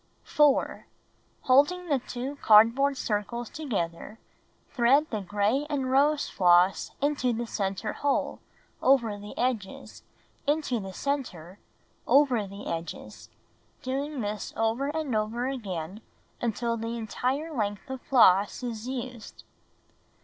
4. Holding the 2 cardboard circles together, thread the gray and rose floss into the center hole, over the edges, into the center, over the edges, doing this over and over again until the entire length of floss is used.